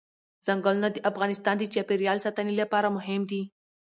ځنګلونه د افغانستان د چاپیریال ساتنې لپاره مهم دي.